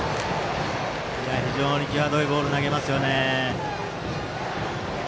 非常に際どいボール投げますね。